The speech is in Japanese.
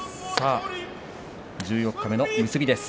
十四日目の結びです。